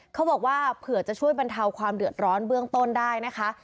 เขาบอกว่าเผื่อจะช่วยบรรเทาความเดือดร้อนเบื้องต้นได้นะคะ